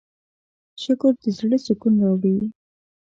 شکر د زړۀ سکون راوړي.